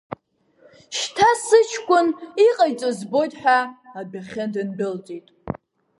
Шьҭа сыҷкәын иҟаиҵо збоит ҳәа адәахьы дындәылҵит.